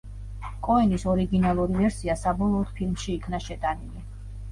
კოენის ორიგინალური ვერსია საბოლოოდ ფილმში იქნა შეტანილი.